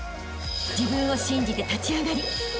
［自分を信じて立ち上がりあしたへ